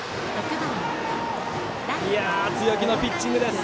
強気のピッチングです。